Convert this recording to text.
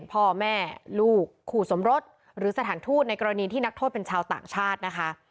พ่อแม่ลูกขู่สมรสหรือสถานทูตในกรณีที่นักโทษเป็นชาวต่างชาตินะคะ